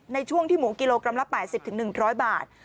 ในช่วงที่หมูกิโลกรัมละ๘๐๑๐๐บาท